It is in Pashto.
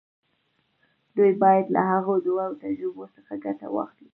دوی بايد له هغو دوو تجربو څخه ګټه واخلي.